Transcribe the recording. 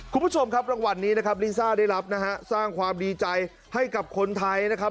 คุณผู้ชมครับรางวัลนี้นะครับลิซ่าได้รับนะฮะสร้างความดีใจให้กับคนไทยนะครับ